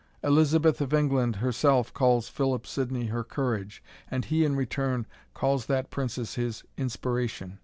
Elizabeth of England herself calls Philip Sydney her Courage, and he in return calls that princess his Inspiration.